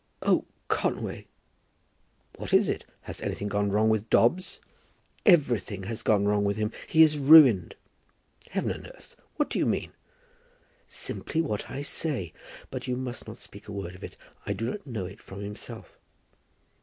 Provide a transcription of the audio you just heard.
"Oh, Conway!" "What is it? Has anything gone wrong with Dobbs?" "Everything has gone wrong with him. He is ruined." "Heaven and earth! What do you mean?" "Simply what I say. But you must not speak a word of it. I do not know it from himself."